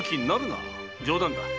冗談だ。